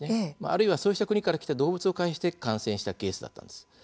あるいは、そうした国から来た動物を介して感染したケースだったんです。